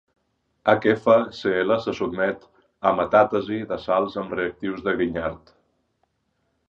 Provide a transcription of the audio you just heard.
HfCl se sotmet a metàtesi de salts amb reactius de Grignard.